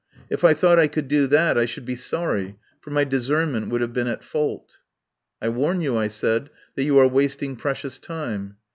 If I thought I could do that I should be sorry, for my discernment would have been at fault" "I warn you," I said, "that you are wasting precious time."